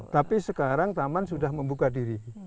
tapi sekarang taman sudah membuka diri